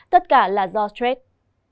tất cả là do stress